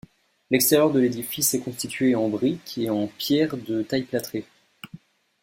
L'extérieur de l'édifice est constitué en brique et en pierre de taille plâtrées.